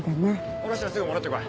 降ろしたらすぐ戻ってこい。